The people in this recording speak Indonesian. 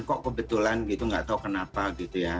kok kebetulan gitu nggak tahu kenapa gitu ya